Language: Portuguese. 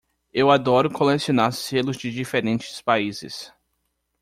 Eu adoro colecionar selos de diferentes países.